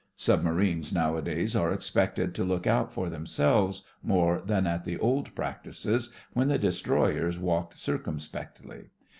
Submarines nowadays are expected to look out for themselves more than at the old practices, when the de stroyers walked circumspectly.